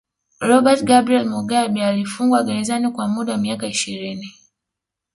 Robert Gabriel Mugabe aliyefungwa gerzani kwa muda wa miaka ishirini